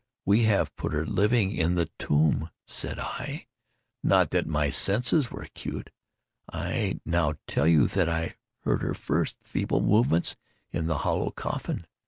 We have put her living in the tomb! Said I not that my senses were acute? I now tell you that I heard her first feeble movements in the hollow coffin.